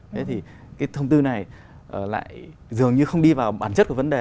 thế thì cái thông tư này lại dường như không đi vào bản chất của vấn đề